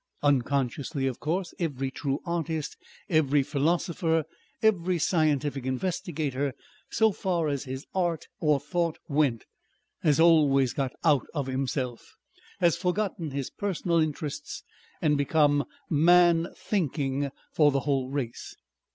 Unconsciously, of course, every true artist, every philosopher, every scientific investigator, so far as his art or thought went, has always got out of himself, has forgotten his personal interests and become Man thinking for the whole race.